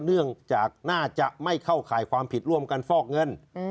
เนื่องจากน่าจะไม่เข้าข่ายความผิดร่วมกันฟอกเงิน